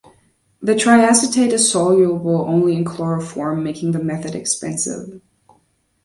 The triacetate is soluble only in chloroform making the method expensive.